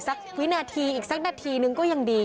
อยากจะเห็นว่าลูกเป็นยังไงอยากจะเห็นว่าลูกเป็นยังไง